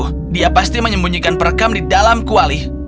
oh dia pasti menyembunyikan perekam di dalam kualih